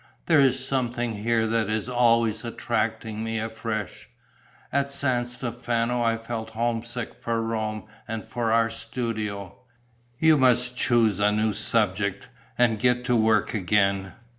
There is something here that is always attracting me afresh. At San Stefano I felt homesick for Rome and for our studio. You must choose a new subject ... and get to work again.